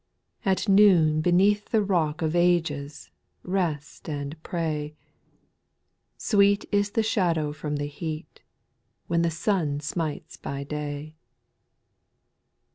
2. At noon beneath the Rock Of ages rest and pray ; Sweet is the shadow from the heat, When the sun smites by day.